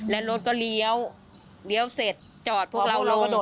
และรถก็เลี้ยวเลี้ยวเสร็จจอดพวกเราลง